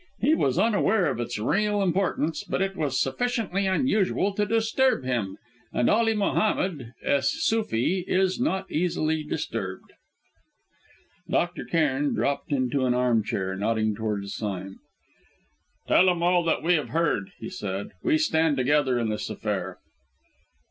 He was unaware of its real importance, but it was sufficiently unusual to disturb him, and Ali Mohammed es Suefi is not easily disturbed." Dr. Cairn dropped into an armchair, nodding towards Sime. "Tell him all that we have heard," he said. "We stand together in this affair."